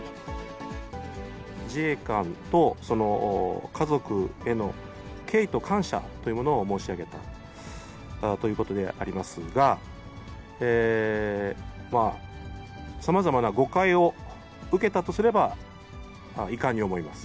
自衛官とその家族への敬意と感謝というものを申し上げたということでありますが、さまざまな誤解を受けたとすれば、遺憾に思います。